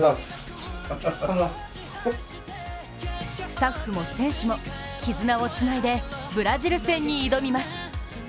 スタッフも選手も絆をつないでブラジル戦に臨みます！